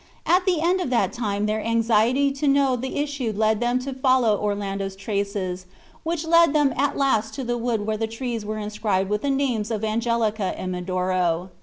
At the end of that time their anxiety to know the issue led them to follow Orlando's traces, which led them at last to the wood where the trees were inscribed with the names of Angelica and Medoro.